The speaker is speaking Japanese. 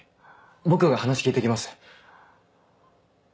僕が話聞いて来ます。